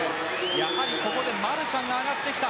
やはりマルシャンが上がってきた。